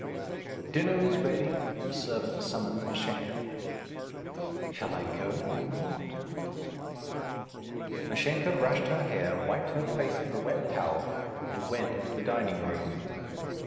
"Dinner is ready," the servant summoned Mashenka. "Shall I go, or not?" Mashenka brushed her hair, wiped her face with a wet towel, and went into the dining room.